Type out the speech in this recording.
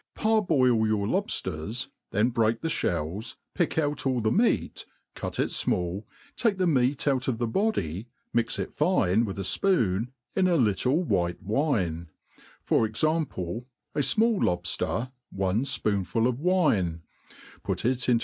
•'♦ PARBOIL your lobfters, then break the ihells/picj; out alf the meat, cut it fmalU take the meat out of the body, mix it fine with a fpoon in a little white wine; for example, a fmali lobfter, one fpoonful of wine ; put it into